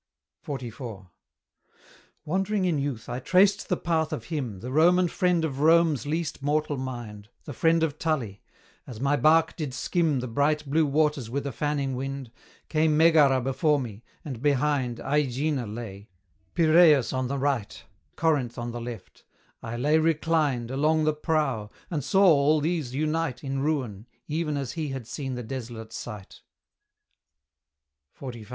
XLIV. Wandering in youth, I traced the path of him, The Roman friend of Rome's least mortal mind, The friend of Tully: as my bark did skim The bright blue waters with a fanning wind, Came Megara before me, and behind AEgina lay, Piraeus on the right, And Corinth on the left; I lay reclined Along the prow, and saw all these unite In ruin, even as he had seen the desolate sight; XLV.